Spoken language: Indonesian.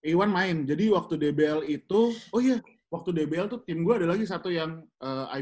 iwan main jadi waktu dbl itu oh iya waktu dbl tuh tim gue ada lagi satu yang ikon